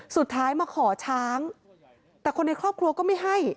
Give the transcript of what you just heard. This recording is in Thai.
สุดท้ายมาขอช้างแต่คนในครอบครัวก็ไม่ให้